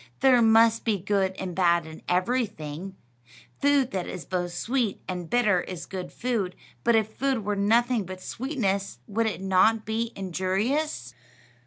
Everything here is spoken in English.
There must be good and bad in everything. Food that is both sweet and bitter is good food, but if food were nothing but sweetness would it not be injurious?"